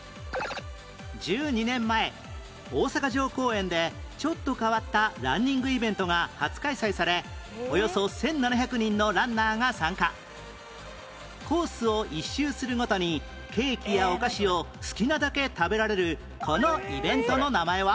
１２年前大阪城公園でちょっと変わったランニングイベントが初開催されおよそ１７００人のランナーが参加コースを１周するごとにケーキやお菓子を好きなだけ食べられるこのイベントの名前は？